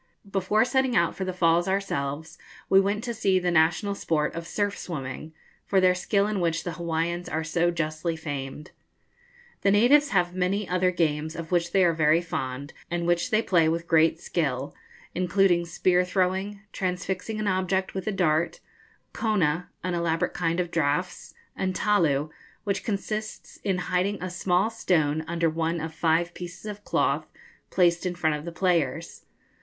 Before setting out for the Falls ourselves, we went to see the national sport of surf swimming, for their skill in which the Hawaiians are so justly famed. The natives have many other games of which they are very fond, and which they play with great skill, including spear throwing, transfixing an object with a dart, kona, an elaborate kind of draughts, and talu, which consists in hiding a small stone under one of five pieces of cloth, placed in front of the players.